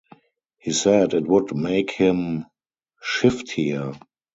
He said it would make him shiftier.